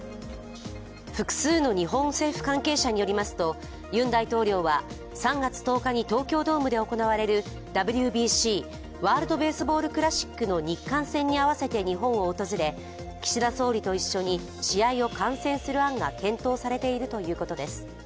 複数の日本政府関係者によりますと、ユン大統領は３月１０日に東京ドームで行われるＷＢＣ＝ワールドベースボールクラシックの日韓戦に合わせて日本を訪れ、岸田総理と一緒に試合を観戦する案が検討されているということです。